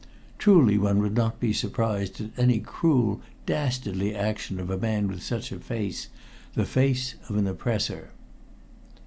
Truly one would not be surprised at any cruel, dastardly action of a man with such a face the face of an oppressor.